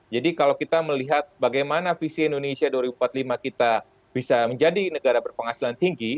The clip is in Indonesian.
jadi kalau kita melihat bagaimana visi indonesia dua ribu empat puluh lima kita bisa menjadi negara berpenghasilan tinggi